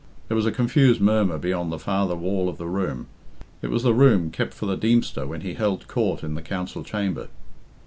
There was a confused murmur beyond the farther wall of the room. It was the room kept for the Deemster when he held court in the council chamber.